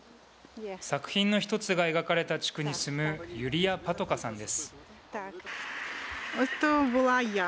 作品の１つが描かれた地区に住むユリア・パトカさんです。